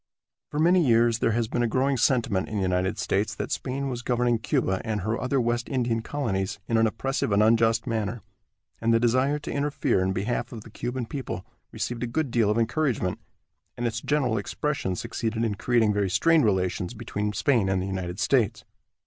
For many years there has been a growing sentiment in the United States that Spain was governing Cuba and her other West Indian colonies in an oppressive and unjust manner, and the desire to interfere in behalf of the Cuban people received a good deal of encouragement, and its general expression succeeded in creating very strained relations between Spain and the United States.